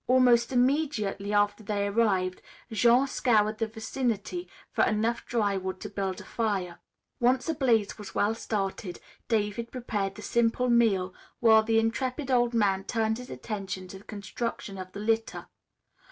Almost immediately after they arrived, Jean scoured the vicinity for enough dry wood to build a fire. Once a blaze was well started David prepared the simple meal, while the intrepid old man turned his attention to the construction of the litter.